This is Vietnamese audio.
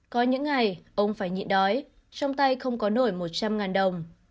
có những ngày ông phải nhịn đói trong tay không có nổi một trăm linh đồng